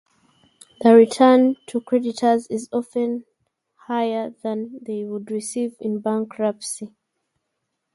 The return to creditors is often higher than they would receive in bankruptcy.